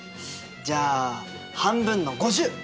じゃあ半分の５０！